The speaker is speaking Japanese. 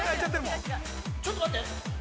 ◆ちょっと待って。